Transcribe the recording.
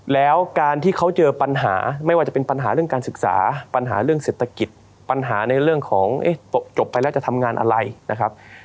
แล้วการที่เขาเจอปัญหาไม่ว่าจะเป็นปัญหาเรื่องการศึกษาปัญหาเรื่องเศรษฐกิจปัญหาในเรื่องของจบไปแล้วจะทำงานอะไรนะครับ